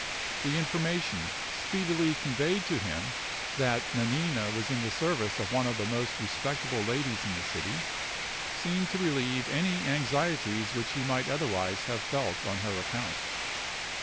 The information speedily conveyed to him that Nanina was in the service of one of the most respectable ladies in the city seemed to relieve any anxieties which he might otherwise have felt on her account.